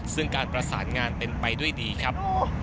ซึ่งการประสานงานเป็นไปด้วยดีครับ